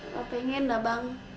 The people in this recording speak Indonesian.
gak pengen bang